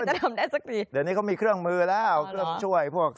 โอ้โฮคุณเดี๋ยวนี้ก็มีเครื่องมือแล้วคุณช่วยพวก